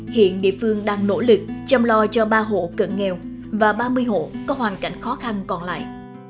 hiện địa phương đang nỗ lực chăm lo cho ba hộ cận nghèo và ba mươi hộ có hoàn cảnh khó khăn còn lại